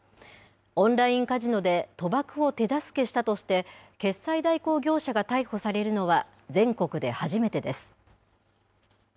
オンラインカジノで賭博を手助けしたして、決済代行業者が逮捕されるのは全国で初めてです。